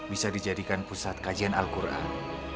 bisa dijadikan pusat kajian al quran